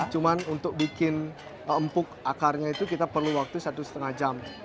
cuma untuk bikin empuk akarnya itu kita perlu waktu satu setengah jam